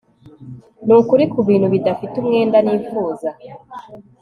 Nukuri kubintu bidafite umwenda nifuza